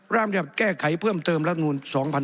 ร่างแรกแก้ไขเพิ่มเติมลำนุน๒๑๖๐